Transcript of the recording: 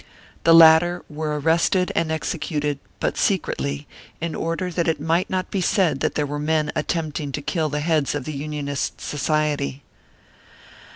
The latter were arrested and executed, but secretly, in order that it might not be said that there were men attempting to kill the heads of the Unionist Society.